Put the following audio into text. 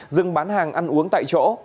dừng bán hàng ăn uống tại chỗ